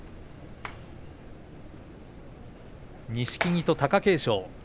錦木と貴景勝です。